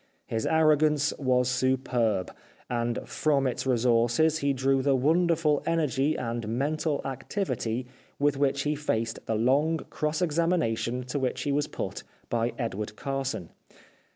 His ar rogance was superb ; and from its resources he drew the wonderful energy and mental activity z 353 The Life of Oscar Wilde with which he faced the long cross examination to which he was put by Edward Carson.